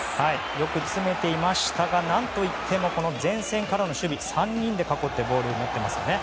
よく詰めていましたが何といってもこの前線からの守備３人で囲ってボールをとっていますよね。